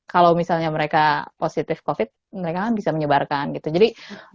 kalau misalnya mereka positif covid mereka kan bisa menyebarkan gitu jadi